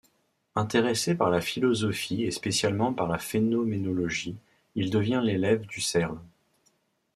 Intéressé par la philosophie et spécialement par la phénoménologie, il devient l’élève d’Husserl.